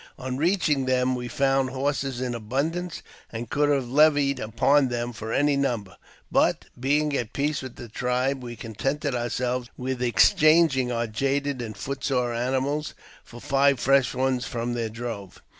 On reaching them we found horses in j abundance, and could have levied upon them for any number ; but, being at peace with the tribe, we contented ourselves with •exchanging our jaded and foot sore animals for five fresh ones from their drove.